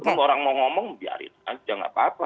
kalau orang mau ngomong biar saja tidak apa apa